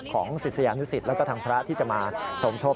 ศิษยานุสิตแล้วก็ทางพระที่จะมาสมทบ